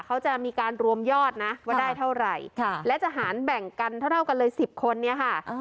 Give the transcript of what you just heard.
เขาจะมีการรวมยอดนะว่าได้เท่าไหร่และจะหารแบ่งกันเท่ากันเลย๑๐คนเนี่ยค่ะ